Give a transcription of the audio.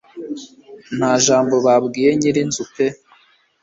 Nta jambo babwiye nyirinzu pe